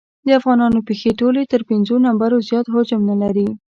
د افغانانو پښې ټولې تر پېنځو نمبرو زیات حجم نه لري.